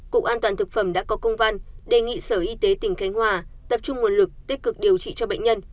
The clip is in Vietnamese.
cục an toàn thực phẩm đã có công văn đề nghị sở y tế tỉnh khánh hòa tập trung nguồn lực tích cực điều trị cho bệnh nhân